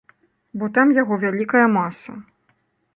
Бо там яго вялікая маса.